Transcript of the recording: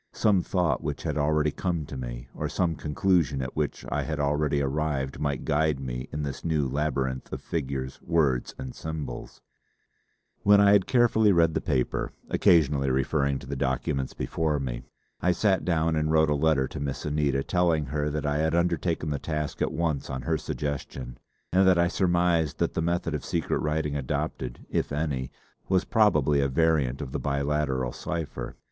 Some thought which had already come to me, or some conclusion at which I had already arrived might guide me in this new labyrinth of figures, words and symbols. See Appendix A. When I had carefully read the paper, occasionally referring to the documents before me, I sat down and wrote a letter to Miss Anita telling her that I had undertaken the task at once on her suggestion and that I surmised that the method of secret writing adopted if any, was probably a variant of the Biliteral cipher.